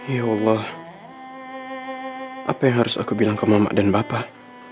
ya allah apa yang harus aku bilang ke mama dan bapak